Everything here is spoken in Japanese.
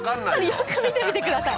よく見てみてください。